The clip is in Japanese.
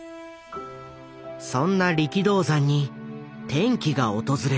そんな力道山に転機が訪れる。